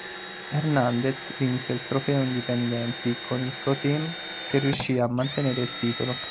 Hernández vinse il trofeo Indipendenti, con il Proteam che riuscì a mantenere il titolo.